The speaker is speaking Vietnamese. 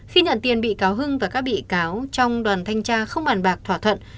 khi nhận tiền bị cáo hưng và các bị cáo trong đoàn thanh tra không bàn bạc thỏa thuận